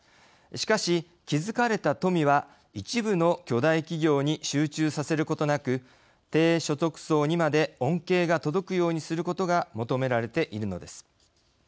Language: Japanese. しかし、築かれた富は一部の巨大企業に集中させることなく低所得層にまで恩恵が届くようにすることが求められているのです。